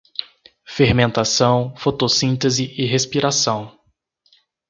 Fermentação, fotossíntese e respiração